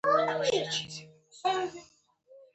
ډېرې بېلګې یې په بشري تاریخ کې خوندي دي.